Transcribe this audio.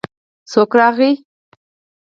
څوک راغی.